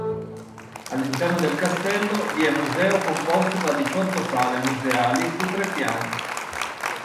All'interno del castello vi è museo composto da diciotto sale museali su tre piani.